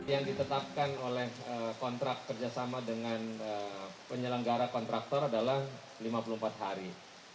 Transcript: yang ditetapkan oleh kontrak kerjasama dengan penyelenggara kontraktor adalah lima puluh empat hari